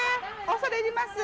恐れ入ります。